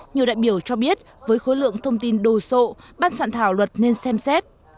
nhiều đại biểu cho biết với khối lượng thông tin đồ sộ ban soạn thảo luật nên xem xét